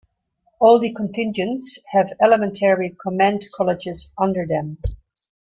All the contingents have elementary command colleges under them.